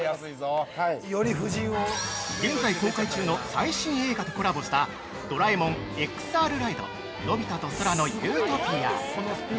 ◆現在公開中の最新映画とコラボした「ドラえもんＸＲライドのび太と空の理想郷」。